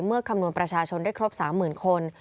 คำนวณประชาชนได้ครบ๓๐๐๐คน